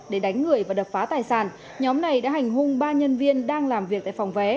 để đánh người và đập phá tài sản nhóm này đã hành hung ba nhân viên đang làm việc tại phòng vé